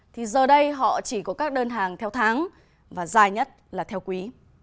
thì giờ đây họ chỉ có các đơn hàng theo tháng và dài nhất là theo quý